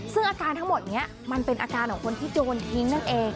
ซึ่งอาการทั้งหมดนี้มันเป็นอาการของคนที่โดนทิ้งนั่นเอง